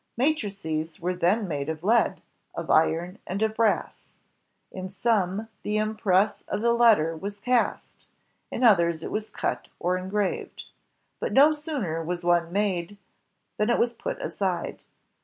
Matrices were then made of lead, of iron, and of brass. In some, the im press of the letter was cast; in others it was cut or en graved. But no sooner was one made, than it was put aside.